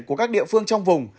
của các địa phương trong vùng